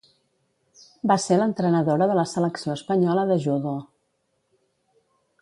Va ser l'entrenadora de la selecció espanyola de judo.